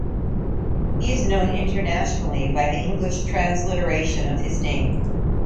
He is known internationally by the English transliteration of his name.